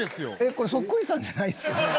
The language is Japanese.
これそっくりさんじゃないですよね？